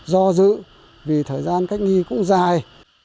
do dữ vì thời gian cách ly cũng dài